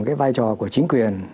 cái vai trò của chính quyền